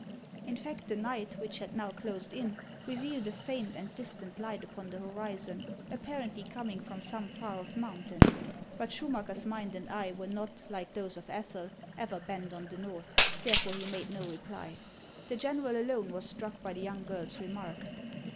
In fact, the night, which had now closed in, revealed a faint and distant light upon the horizon, apparently coming from some far off mountain. But Schumacker's mind and eye were not, like those of Ethel, ever bent on the north ; therefore he made no reply. The general alone was struck by the young girl's remark.